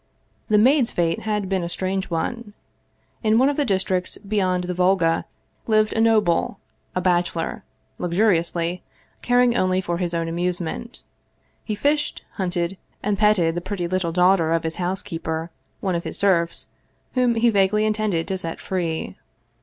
The maid's fate had been a strange one. In one of the districts beyond the Volga lived a noble, a bachelor, lux uriously, caring only for his own amusement. He fished, hunted, and petted the pretty little daughter of his house keeper, one of his serfs, whom he vaguely intended to set free.